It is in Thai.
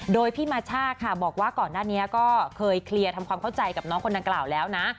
โดยพี่มาช่าค่ะบอกว่าก่อนหน้านี้ก็เคยเคลียร์ทำความเข้าใจกับน้องคนดังกล่าวแล้วนะ